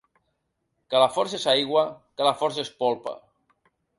Que la força és aigua, que la força és polpa.